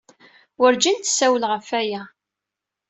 Wurǧin d-tessawel ɣef waya.